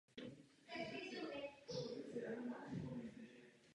Jinak to dopadne špatně.